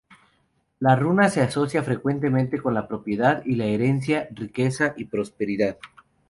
La runa se asocia frecuentemente con la propiedad y la herencia, riqueza y prosperidad.